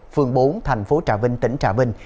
phường bốn tp trà vinh tỉnh trà vinh